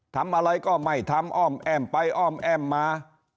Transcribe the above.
ทำอะไรก็ไม่ทำอ้อมแอ้มไปอ้อมแอ้มมา